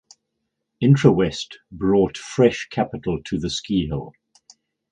Intrawest brought fresh capital to the ski hill.